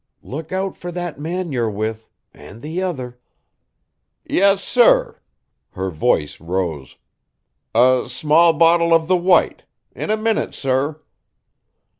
Look out for that man you're with, and the other. Yes, sir," her voice rose. "A small bottle of the white; in a minute, sir."